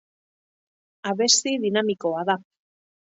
Abesti dinamikoa da.